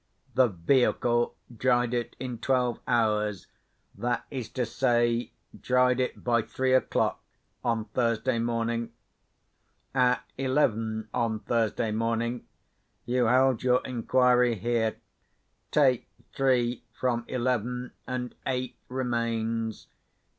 The vehicle dried it in twelve hours—that is to say, dried it by three o'clock on Thursday morning. At eleven on Thursday morning you held your inquiry here. Take three from eleven, and eight remains.